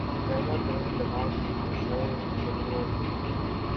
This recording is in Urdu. پیدا کریں دماغ تماشائے سَرو و گل